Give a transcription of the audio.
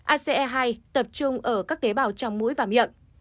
ase hai tập trung ở các tế bào trong mũi và miệng